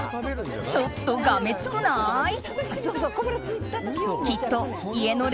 ちょっとがめつくない？